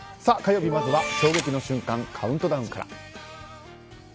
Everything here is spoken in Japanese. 火曜日、まずは衝撃の瞬間カウントダウンから。